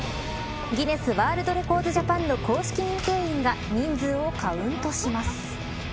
ギネスワールドレコーズジャパンの公式認定員が人数をカウントします。